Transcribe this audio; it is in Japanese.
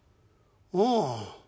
ああ。